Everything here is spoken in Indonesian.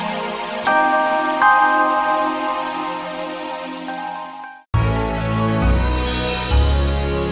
terima kasih pak